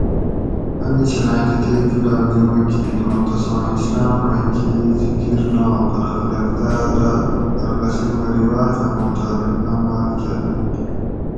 امی چھلاں کتیک جولاگ جمع کیت اوں تساں اسلام مئی کی زکر نات پرہ خلق تاۤس رہ اۤ قسیمہ رواجاۤں مطابق عماۤل کۤرنت